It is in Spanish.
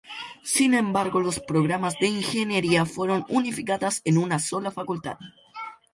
Sin embargo, los programas de Ingeniería fueron unificadas en una sola facultad.